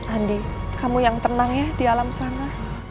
andi kamu yang tenang ya di alam sana